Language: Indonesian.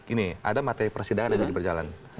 ini ada mati persidangan yang diperjalan